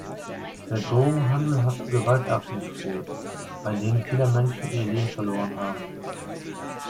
Der Drogenhandel hat zu Gewaltakten geführt, bei denen viele Menschen ihr Leben verloren haben.